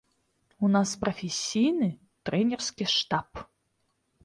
У нас прафесійны трэнерскі штаб.